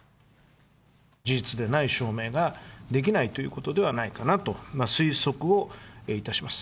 事実でない証明ができないということではないかなと、推測をいたします。